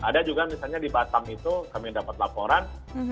ada juga misalnya di batam itu kami dapat laporan